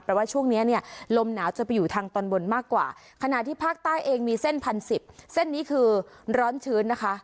เพราะว่าช่วงนี้เนี่ยลมหนาวจะไปอยู่ทางตอนบนมากกว่าขณะที่ภาคใต้เองมีเส้นพันสิบเส้นนี้คือร้อนชื้นนะคะ